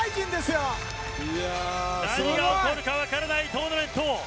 何が起こるか分からないトーナメント。